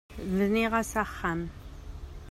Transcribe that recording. Bniɣ-as axxam.